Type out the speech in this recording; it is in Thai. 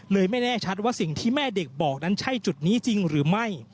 ไม่แน่ชัดว่าสิ่งที่แม่เด็กบอกนั้นใช่จุดนี้จริงหรือไม่